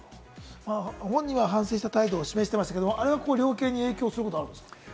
本人は反省した態度を示していますけれども、あれは量刑に影響することはあるんですか？